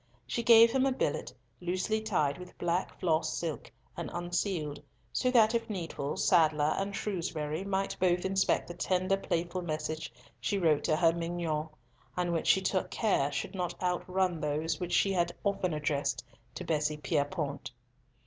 She gave him a billet, loosely tied with black floss silk and unsealed, so that if needful, Sadler and Shrewsbury might both inspect the tender, playful, messages she wrote to her "mignonne," and which she took care should not outrun those which she had often addressed to Bessie Pierrepoint.